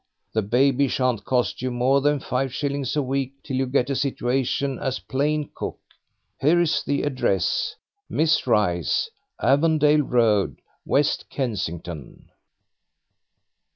The baby shan't cost you more than five shillings a week till you get a situation as plain cook. Here is the address Miss Rice, Avondale Road, West Kensington."